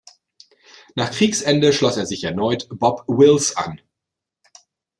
Nach Kriegsende schloss er sich erneut Bob Wills an.